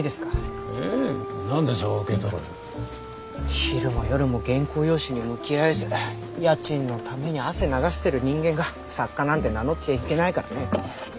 昼も夜も原稿用紙に向き合えず家賃のために汗流してる人間が作家なんて名乗っちゃいけないからね。